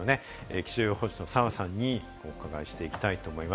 気象予報士の澤さんにお伺いしていきたいと思います。